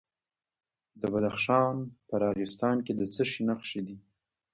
د بدخشان په راغستان کې د څه شي نښې دي؟